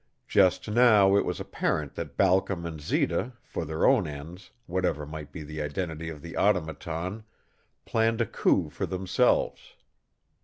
Just now it was apparent that Balcom and Zita, for their own ends, whatever might be the identity of the Automaton, planned a coup for themselves.